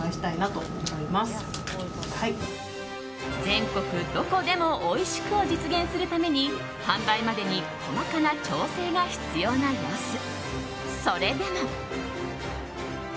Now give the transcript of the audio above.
全国どこでもおいしく！を実現するために販売までに細かな調整が必要な様子。